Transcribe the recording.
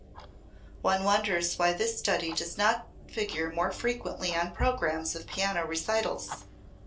One wonders why this study does not figure more frequently on programmes of piano recitals.